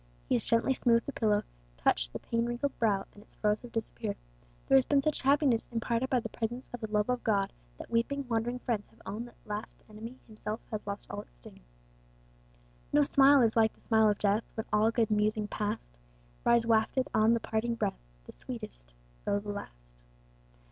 He has gently smoothed the pillow, touched the pain wrinkled brow, and its furrows have disappeared; there has been such happiness imparted by the presence of the love of God that weeping, wondering friends have owned that the last enemy himself has lost all his sting. [Illustration: THE ENTRANCE TO THE PRISON Page 185.] "No smile is like the smile of death, When all good musings past Rise wafted on the parting breath, The sweetest thought the last!"